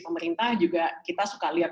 pemerintah juga kita suka lihat